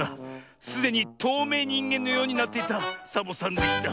すでにとうめいにんげんのようになっていたサボさんでした。